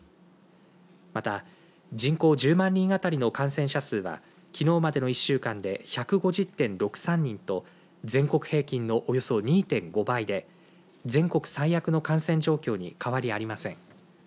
また、人口１０万人当たりの感染者数はきのうまでの１週間で１５０．６３人と全国平均のおよそ２．５倍で全国最悪の感染状況に変わりありません。